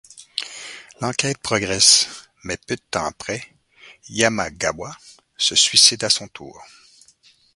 L'enquête progresse, mais peu de temps après, Yamagawa se suicide à son tour.